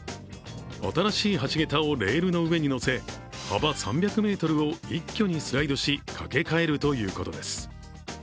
新しい橋桁をレールの上に乗せ、幅３００ｍを一挙にスライドし、架け替えるということです。